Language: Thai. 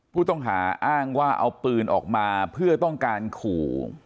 ผู้ต้องหาอ้างว่าเอาปืนออกมาเพื่อต้องการขู่